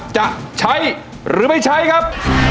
จะใช้หรือไม่ใช้ครับ